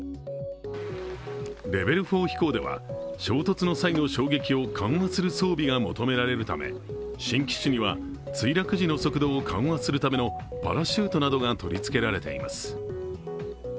レベル４飛行では、衝突の際の衝撃を緩和する装備が求められるため新機種には墜落時の速度を緩和するためのパラシュートなどが取り付けられています。